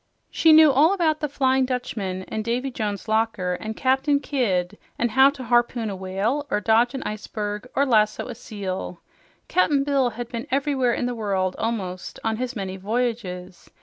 She knew all about the Flying Dutchman, and Davy Jones' Locker, and Captain Kidd, and how to harpoon a whale or dodge an iceberg or lasso a seal. Cap'n Bill had been everywhere in the world, almost, on his many voyages.